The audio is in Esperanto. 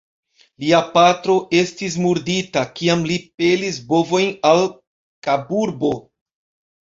Lia patro estis murdita, kiam li pelis bovojn al Kaburbo.